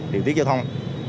điều tiết giao thông